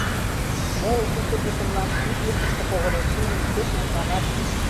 Моло сусыргышо-влак, ик лукышто погынен шинчын, пеш мутланат: